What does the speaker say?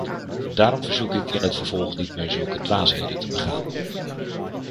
Daarom verzoek ik in het vervolg niet meer zulke dwaasheden te begaan.